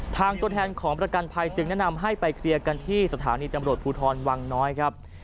ตัวแทนของประกันภัยจึงแนะนำให้ไปเคลียร์กันที่สถานีตำรวจภูทรวังน้อยครับ